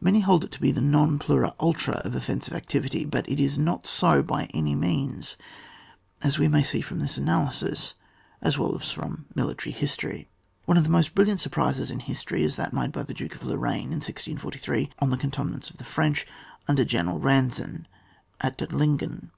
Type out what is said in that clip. Many hold it to be the non plus ultra of offensive activity ; but it is not so by any means, as we may see from this analysis, as well as from military history. One of the most brilliant surprises in history, is that made by the Duke of Lorraine in 1643, on the cantonments of the French, under General fianzan, at Duttlingen.